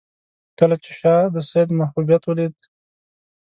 کله چې شاه د سید محبوبیت ولید.